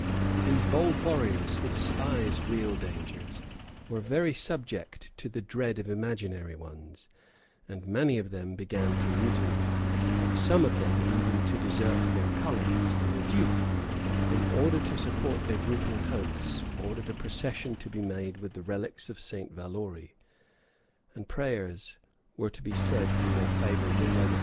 These bold warriors, who despised real dangers, were very subject to the dread of imaginary ones; and many of them began to mutiny, some of them even to desert their colors, when the duke, in order to support their drooping hopes, ordered a procession to be made with the relics of St. Valori,[*] and prayers to be said for more favorable weather.